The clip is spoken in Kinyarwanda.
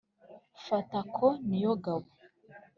Fata ako ni yo gabo.